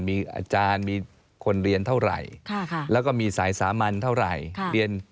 มีอาจารย์มีคนเรียนเท่าไหร่แล้วก็มีสายสามัญเท่าไหร่